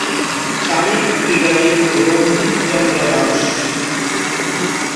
স্বামী ক্রীড়াবিদ রঞ্জিত চন্দ্র দাস।